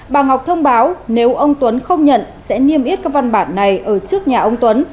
bà ngọc thông báo nếu ông tuấn không nhận sẽ niêm yết các văn bản này ở trước nhà ông tuấn